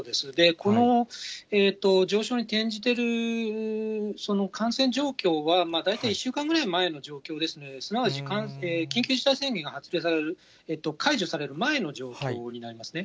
この上昇に転じている感染状況は、大体１週間くらい前の状況ですので、すなわち緊急事態宣言が発令される、解除される前の状況になりますね。